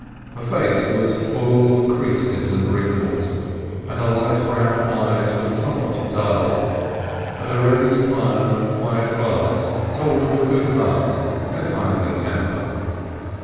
Her face was full of creases and wrinkles, and her light brown eyes were somewhat dulled, but her ready smile and quiet glance told of a good heart and a kindly temper.